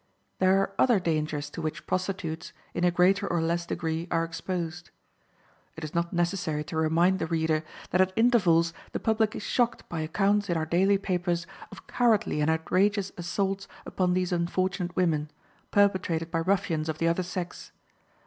There are other dangers to which prostitutes, in a greater or less degree, are exposed. It is not necessary to remind the reader that at intervals the public is shocked by accounts in our daily papers of cowardly and outrageous assaults upon these unfortunate women, perpetrated by ruffians of the other sex.